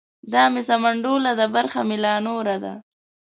ـ دا مې سمنډوله ده برخه مې لا نوره ده.